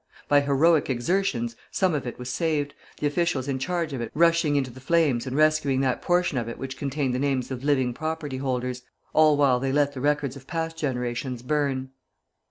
By heroic exertions some of it was saved, the officials in charge of it rushing into the flames and rescuing that portion of it which contained the names of living property holders, I while they let the records of past generations burn.